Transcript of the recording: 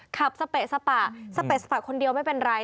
สเปะสปะสเปะสปะคนเดียวไม่เป็นไร